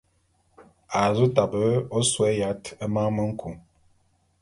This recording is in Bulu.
A zu tabe ôsôé yat e mane me nku.